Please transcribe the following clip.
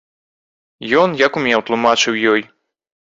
Ён, як умеў, тлумачыў ёй.